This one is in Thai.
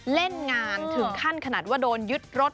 เล่นงานถึงขั้นขนาดว่าโดนยึดรถ